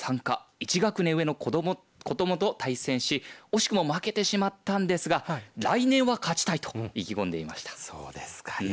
１学年上の子どもと対戦し惜しくも負けてしまったんですが来年は勝ちたいと意気込んでいました。